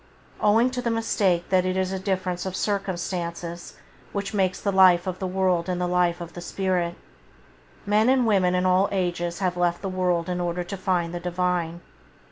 Owing to the mistake that it is a difference of circumstances which makes the life of the world and the life of the spirit, men and women in all ages have left the world in order to find the Divine.